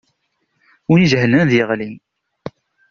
Win ijehlen ad d-yeɣli.